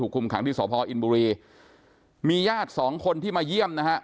คุมขังที่สพอินบุรีมีญาติสองคนที่มาเยี่ยมนะฮะ